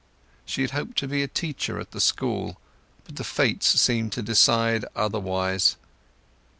She had hoped to be a teacher at the school, but the fates seemed to decide otherwise.